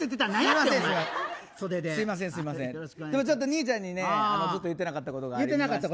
ちょっと兄ちゃんにずっと言ってなかったことがありまして。